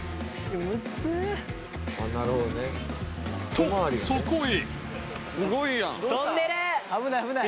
とそこへ